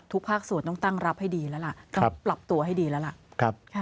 ภาคส่วนต้องตั้งรับให้ดีแล้วล่ะต้องปรับตัวให้ดีแล้วล่ะ